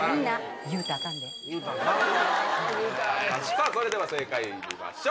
さぁそれでは正解見てみましょう。